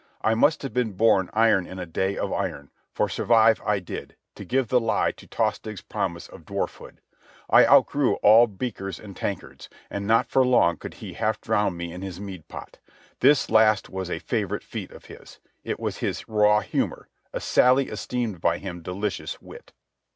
I must have been born iron in a day of iron, for survive I did, to give the lie to Tostig's promise of dwarf hood. I outgrew all beakers and tankards, and not for long could he half drown me in his mead pot. This last was a favourite feat of his. It was his raw humour, a sally esteemed by him delicious wit.